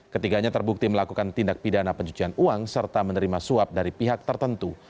ketiganya terbukti melakukan tindak pidana pencucian uang serta menerima suap dari pihak tertentu